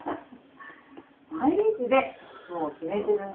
毎日ねもう決めてる。